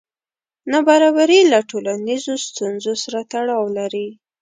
نابرابري له ټولنیزو ستونزو سره تړاو لري.